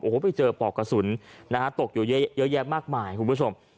โอ้โหไปเจอปอกกระสุนนะฮะตกอยู่เยอะแยะมากมายคุณผู้ชม